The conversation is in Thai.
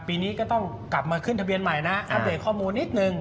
ปีนี้ก็ต้องกลับมาขึ้นทะเบียนใหม่นะอัปเดตข้อมูลนิดนึง